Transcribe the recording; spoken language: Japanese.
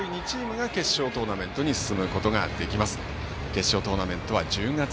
各プール上位２チームが決勝トーナメントに進むことができます。